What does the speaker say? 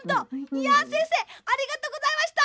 いやせんせいありがとうございました！